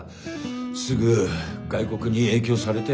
すぐ外国に影響されて。